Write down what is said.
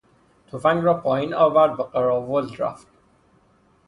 تفنگ را پایین آورد و قراول رفت.